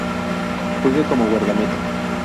Juega como Guardameta.